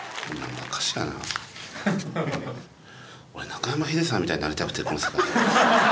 俺中山ヒデさんみたいになりたくてこの世界入った。